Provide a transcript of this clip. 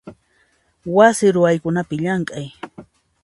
Wasi ruwaykunapi llamk'ay.